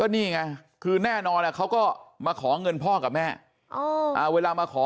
นี่แง่คือแน่นอนเขาก็มาของเงินพ่อกับแม่